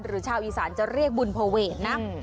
ชาวอีสานจะเรียกบุญภเวทนะ